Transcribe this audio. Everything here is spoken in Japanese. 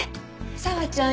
佐和ちゃん